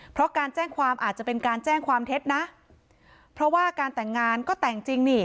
เพราะการแจ้งความอาจจะเป็นการแจ้งความเท็จนะเพราะว่าการแต่งงานก็แต่งจริงนี่